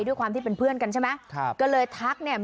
ด้วยความที่เป็นเพื่อนกันใช่ไหมครับก็เลยทักเนี่ย